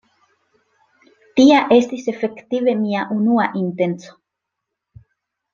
Tia estis efektive mia unua intenco.